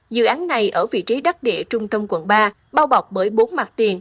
dự án này ở vị trí đắc địa trung tâm quận ba bao bọc bởi bốn mặt tiền